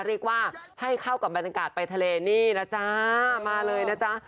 เรียกว่าให้เข้ากับบรรดากาศไปทะเลมาเลยนะจ๊ะ